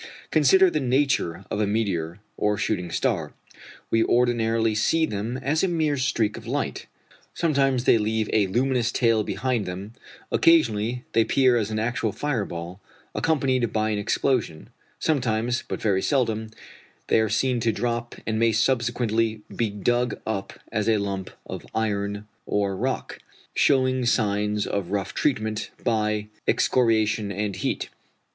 Consider the nature of a meteor or shooting star. We ordinarily see them as a mere streak of light; sometimes they leave a luminous tail behind them; occasionally they appear as an actual fire ball, accompanied by an explosion; sometimes, but very seldom, they are seen to drop, and may subsequently be dug up as a lump of iron or rock, showing signs of rough treatment by excoriation and heat.